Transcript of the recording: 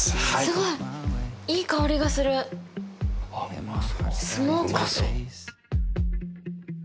すごいっいい香りがするスモーク